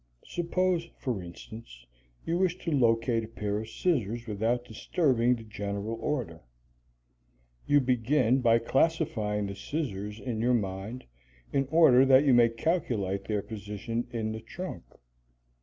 Suppose, for instance, you wish to locate a pair of scissors without disturbing the general order. You begin by classifying the scissors in your mind, in order that you may calculate their position in the trunk.